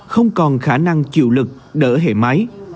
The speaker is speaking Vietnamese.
không còn khả năng chịu lực đỡ hệ máy